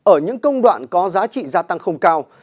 ở những công đoạn có giá trị gia tăng không cao